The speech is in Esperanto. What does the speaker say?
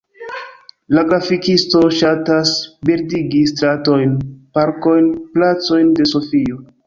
La grafikisto ŝatas bildigi stratojn, parkojn, placojn de Sofio.